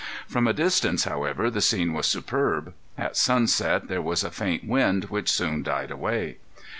From a distance, however, the scene was superb. At sunset there was a faint wind which soon died away.